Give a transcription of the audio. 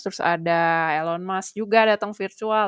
terus ada elon musk juga datang virtual